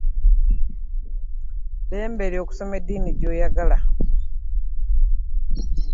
Ddembe lyo okusoma eddini gyoyagala.